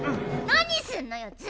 何すんのよ！？